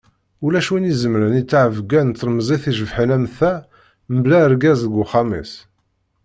Ulac win izemren i ttɛebga n tlemẓit icebḥen am ta mebla argaz deg uxxam-is.